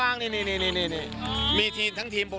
มันจะเกิดแรงอย่าง